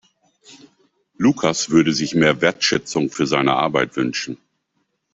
Lukas würde sich mehr Wertschätzung für seine Arbeit wünschen.